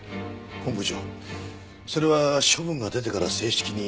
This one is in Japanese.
本部長それは処分が出てから正式に。